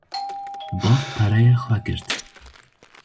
Bav pereyê xwe girt